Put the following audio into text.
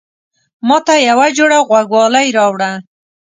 ماته يوه جوړه غوږوالۍ راوړه